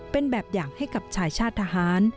เป็นแบบอย่างให้กับชายชาติทหาร